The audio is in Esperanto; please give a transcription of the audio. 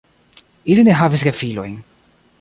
Ili ne havis gefilojn.